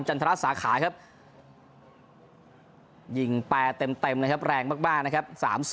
จันทรสาขาครับยิ่งแปรเต็มมีเบร่งมากนะครับ๓๒